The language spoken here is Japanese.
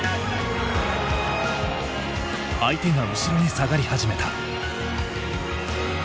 相手が後ろに下がり始めた。